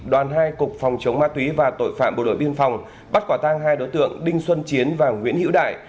đoàn hai cục phòng chống ma túy và tội phạm bộ đội biên phòng bắt quả tang hai đối tượng đinh xuân chiến và nguyễn hữu đại